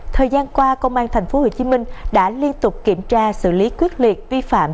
thời gian qua công an tp hcm đã liên tục kiểm tra xử lý quyết liệt vi phạm